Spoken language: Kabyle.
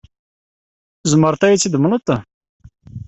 Tzemreḍ ad iyi-t-id-temleḍ?